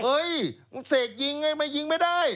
เฮ้ยเสกยิงไงไม่ยิงไม่ได้